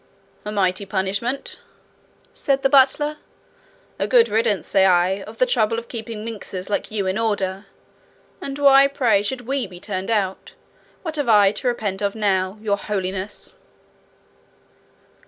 'A mighty punishment!' said the butler. 'A good riddance, say I, of the trouble of keeping minxes like you in order! And why, pray, should we be turned out? What have I to repent of now, your holiness?'